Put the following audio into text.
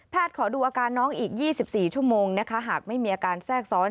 ขอดูอาการน้องอีก๒๔ชั่วโมงนะคะหากไม่มีอาการแทรกซ้อน